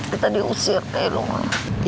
kita diusir kayanya lo mah